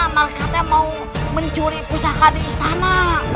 mau mencuri usaha di istana